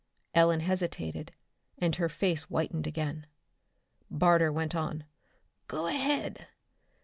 Ellen hesitated, and her face whitened again. Barter went on. "Go ahead.